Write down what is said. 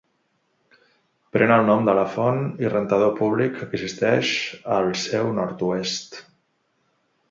Pren el nom de la font i rentador públic que existeix al seu nord-oest.